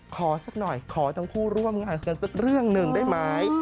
ขอสักหน่อยขอทั้งคู่ร่วมมือกันสักเรื่องหนึ่งได้ไหม